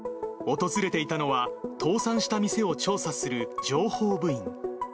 訪れていたのは、倒産した店を調査する情報部員。